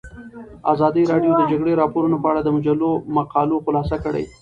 ازادي راډیو د د جګړې راپورونه په اړه د مجلو مقالو خلاصه کړې.